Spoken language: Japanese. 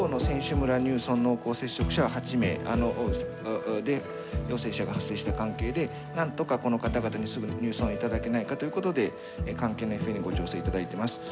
村入村濃厚接触者は８名で陽性者が発生した関係でなんとかこの方々にすぐ入村頂けないかということで関係のＦＡにご調整頂いてます。